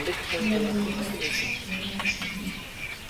Hela hiyo haikutosha kuiinua nchi hiyo